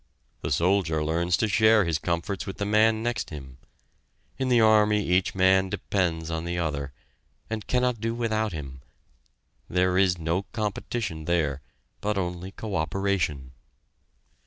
The soldier learns to share his comforts with the man next him; in the army each man depends on the other and cannot do without him: there is no competition there, but only coöperation.